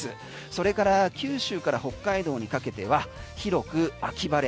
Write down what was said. それから九州から北海道にかけては広く秋晴れ。